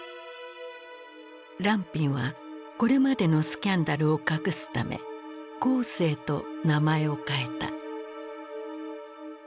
藍蘋はこれまでのスキャンダルを隠すため「江青」と名前を変えた。